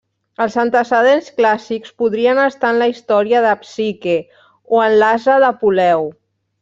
Els antecedents clàssics podrien estar en la història de Psique o en l'ase d'Apuleu.